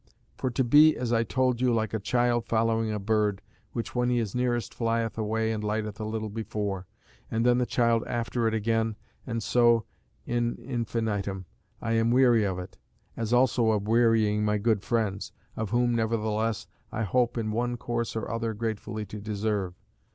For to be, as I told you, like a child following a bird, which when he is nearest flieth away and lighteth a little before, and then the child after it again, and so in infinitum, I am weary of it; as also of wearying my good friends, of whom, nevertheless, I hope in one course or other gratefully to deserve.